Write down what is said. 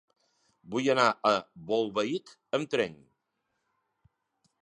Vull anar a Bolbait amb tren.